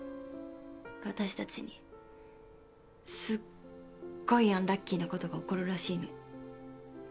私たちにすっごいアンラッキーなことが起こるらしいの。